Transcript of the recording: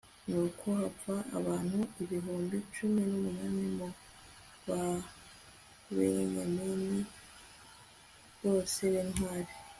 nuko hapfa abantu ibihumbi cumi n'umunani mu babenyamini, bose b'intwari